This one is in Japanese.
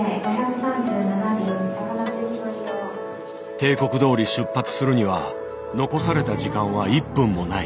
定刻どおり出発するには残された時間は１分もない。